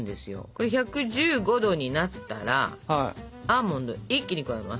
これ１１５℃になったらアーモンドを一気に加えます。